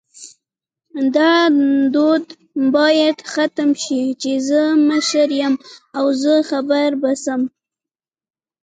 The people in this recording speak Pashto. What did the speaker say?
دا دود باید ختم شې چی زه مشر یم او زما خبره به سمه